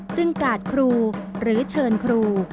กาดครูหรือเชิญครู